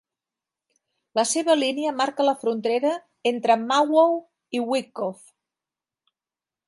La seva línia marca la frontera entre Mahwah i Wyckoff.